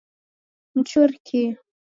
Mchurikie